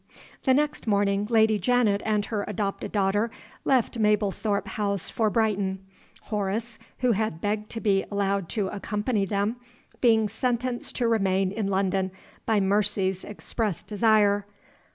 The next morning Lady Janet and her adopted daughter left Mablethorpe House for Brighton; Horace (who had begged to be allowed to accompany them) being sentenced to remain in London by Mercy's express desire.